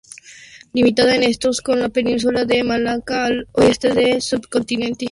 Limita al este con la península de Malaca, al oeste con el subcontinente indio.